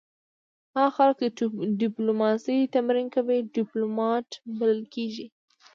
هغه خلک چې ډیپلوماسي تمرین کوي ډیپلومات بلل کیږي